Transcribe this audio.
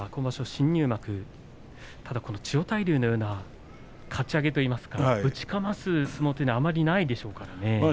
新入幕千代大龍のようなかち上げぶちかます相撲というのはあまりないでしょうからね。